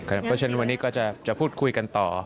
เพราะฉะนั้นวันนี้ก็จะพูดคุยกันต่อ